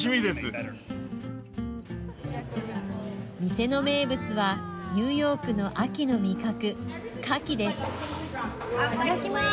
店の名物はニューヨークの秋の味覚かきです。